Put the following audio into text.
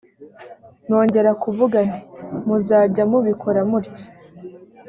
nongera kuvuga nti muzajya mubikora mutya